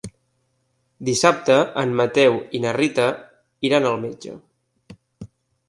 Dissabte en Mateu i na Rita iran al metge.